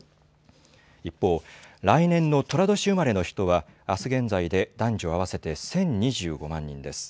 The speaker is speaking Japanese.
一方、来年のとら年生まれの人はあす現在で男女合わせて１０２５万人です。